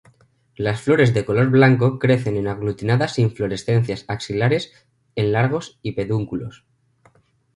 Las flores de color blanco crecen en aglutinadas inflorescencias axilares en largos y pedúnculos.